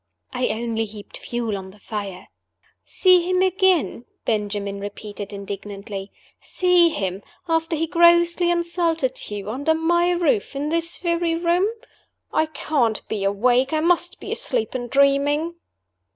I only heaped fuel on the fire. "See him again?" Benjamin repeated indignantly. "See him, after he grossly insulted you, under my roof, in this very room? I can't be awake; I must be asleep and dreaming!"